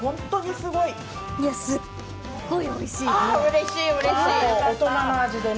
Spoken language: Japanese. すっごいおいしいです。